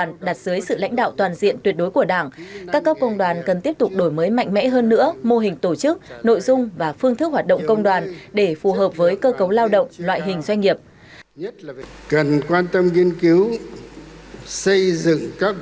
công đoàn đặt dưới sự lãnh đạo toàn diện tuyệt đối của đảng các cấp công đoàn cần tiếp tục đổi mới mạnh mẽ hơn nữa mô hình tổ chức nội dung và phương thức hoạt động công đoàn để phù hợp với cơ cấu lao động loại hình doanh nghiệp